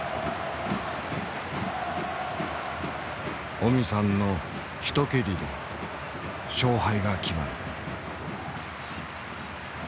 オミさんの一蹴りで勝敗が決まる。